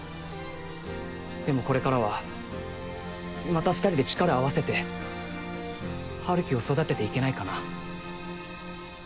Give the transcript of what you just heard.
でもこれからはまた２人で力を合わせて春樹を育てていけないかな？